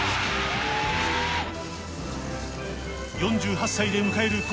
４８歳で迎える今